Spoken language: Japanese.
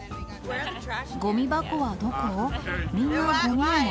ごみ箱はどこ？